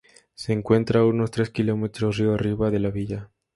Se encuentra a unos tres kilómetros río arriba de la villa.